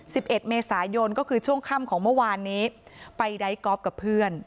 เอ็ดเมษายนก็คือช่วงค่ำของเมื่อวานนี้ไปไดทอล์ฟกับเพื่อน